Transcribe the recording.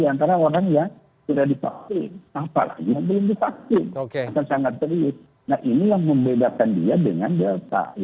diantara orang yang sudah divaksin apalagi yang belum divaksin sangat serius nah inilah membedakan dia dengan delta